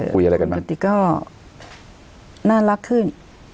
คุณกะติกก็น่ารักขึ้น